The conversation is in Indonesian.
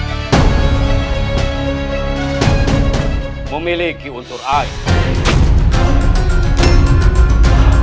apa ini maksud dengan ayahnya